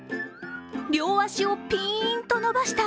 両足をピーンと伸ばした